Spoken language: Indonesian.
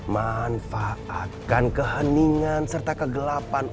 manfaatkan keheningan serta kegelapan